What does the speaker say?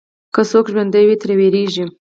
که څوک ژوندی وي، ترې وېرېږي.